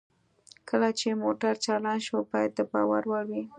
کله چې موټر چالان شو باید د باور وړ وي